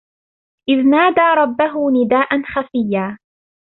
إِذْ نَادَى رَبَّهُ نِدَاءً خَفِيًّا